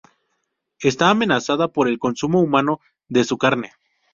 Está amenazada por el consumo humano de su carne.